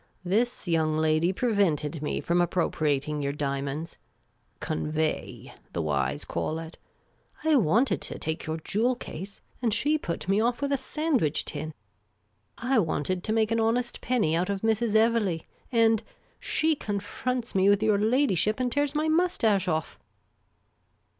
•" This young lady prevented me from appropriating your diamonds. Convey, the wise call it. I The Amateur Commission Agent 1 1 7 wanted to take your jewel case — and she put me off with a sandwich tin. I wanted to make an honest penny out of Mrs. Evelegh ; and — she confronts nie with your ladyship and tears my moustache off.